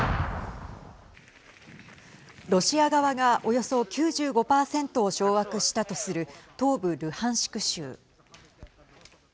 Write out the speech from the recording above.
ロシア側がおよそ９５％を掌握したとする東部ルハンシク州。